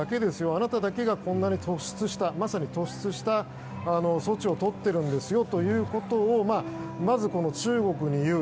あなただけが、まさにこんなに突出した措置をとっているんですよということをまず中国に言う。